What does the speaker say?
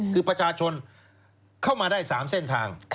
คือประชาชนเข้ามาได้๓เส้นทาง